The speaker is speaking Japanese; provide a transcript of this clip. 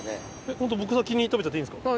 ホント僕先に食べちゃっていいんですか？